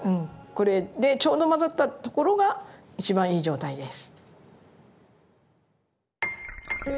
これでちょうど混ざったところが一番いい状態です。